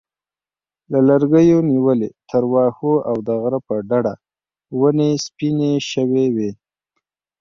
له لرګیو نیولې تر واښو او د غره په ډډه ونې سپینې شوې وې.